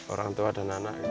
orang tua dan anak gitu